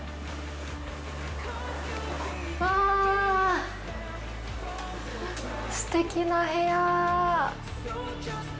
わ、すてきな部屋。